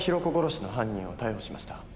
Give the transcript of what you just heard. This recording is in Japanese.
子殺しの犯人を逮捕しました。